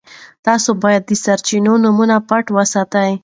تاسي باید د سرچینو نومونه پټ وساتئ.